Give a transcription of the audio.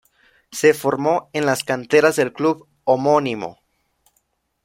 Se formó en las canteras del club homónimo.